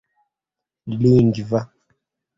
lingva